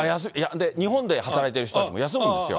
日本で働いてる人たちも休むんですよ。